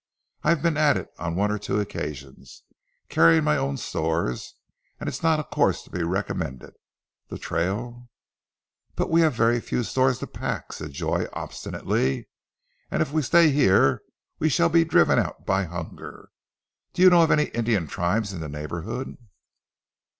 I've been at it on one or two occasions, carrying my own stores, and it's not a course to be recommended. The trail " "But we've very few stores to pack!" said Joy obstinately, "and if we stay here we shall be driven out by hunger. Do you know of any tribe of Indians in the neighborhood?"